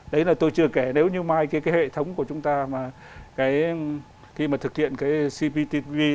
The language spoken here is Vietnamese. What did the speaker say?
đấy là tôi chưa kể nếu như mai cái hệ thống của chúng ta mà khi mà thực hiện cái cptpp